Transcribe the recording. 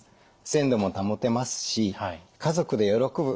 鮮度も保てますし家族で喜ぶ